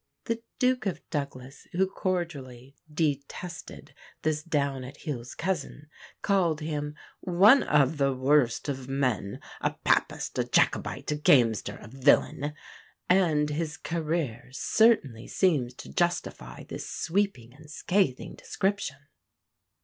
The Duke of Douglas, who cordially detested this down at heels cousin, called him "one of the worst of men a papist, a Jacobite, a gamester, a villain" and his career certainly seems to justify this sweeping and scathing description.